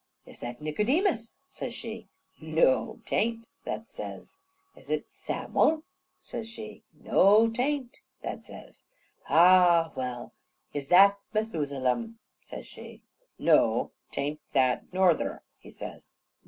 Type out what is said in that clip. "Is that Nicodemus?" says she. "Noo, t'ain't," that says. "Is that Sammle?" says she. "Noo, t'ain't," that says. "A well, is that Methusalem?" says she. "Noo, t'ain't that norther," he says.